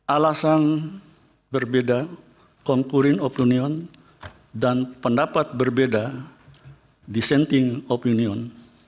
alasan berbeda compurin opinion dan pendapat berbeda dissenting opinion